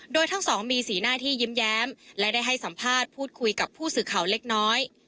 โดยทั้งสองมีสีหน้าที่ยิ้มแย้มและได้ให้สัมภาษณ์พูดคุยกับผู้สื่อข่าวเล็กน้อย